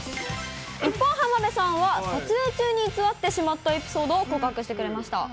一方、浜辺さんは撮影中に偽ってしまったエピソードを告白してくれました。